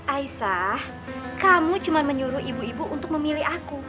aisah kamu cuma menyuruh ibu ibu untuk memilih aku